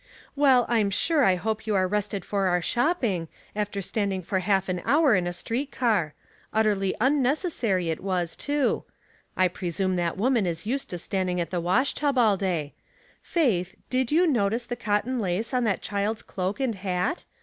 "Well, I'm sure I hope you are rested for our shopping, after standing for half an hour in a street car. Utterly unnecessary it was, too. I presume that woman is used to standing at the JReal or Imitation f 243 tvarili tub all da,y. Faith, did yoa notice the cotton lace on thit child's cloak and hat?